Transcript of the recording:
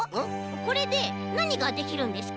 これでなにができるんですか？